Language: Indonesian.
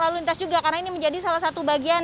lalu lintas juga karena ini menjadi salah satu bagian